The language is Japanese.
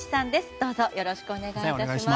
どうぞよろしくお願い致します。